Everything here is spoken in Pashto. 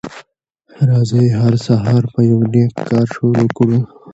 راځی هر سهار په یو نیک کار شروع کړو